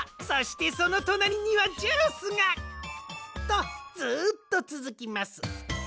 そしてそのとなりにはジュースが！とずっとつづきます。